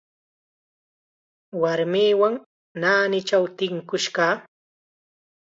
Warmiwan naanichaw tinkush kaa.